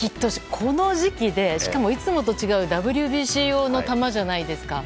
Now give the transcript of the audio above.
この時期でいつもと違うＷＢＣ球じゃないですか。